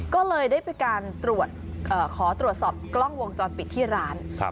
ก็เลยได้ไปการขอตรวจสอบกล้องวงจรปิดที่ร้าน